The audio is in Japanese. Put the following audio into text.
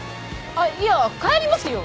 あっいや帰りますよ。